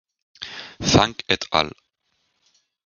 Zhang "et al.